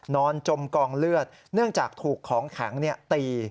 จมกองเลือดเนื่องจากถูกของแข็งตี